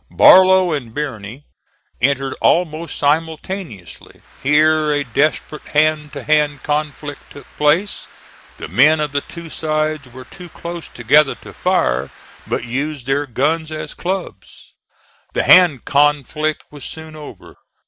Barlow and Birney entered almost simultaneously. Here a desperate hand to hand conflict took place. The men of the two sides were too close together to fire, but used their guns as clubs. The hand conflict was soon over.